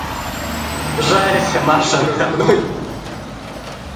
Сжалься, Маша, надо мной;